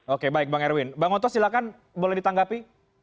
oke baik bang erwin bang oto silakan boleh ditanggapi